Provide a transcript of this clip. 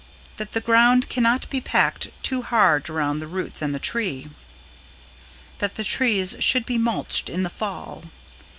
That the ground cannot be packed too hard around the roots and the tree. That the trees should be mulched in the Fall.